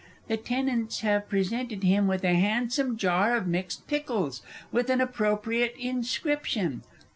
The tenants have presented him with a handsome jar of mixed pickles, with an appropriate inscription.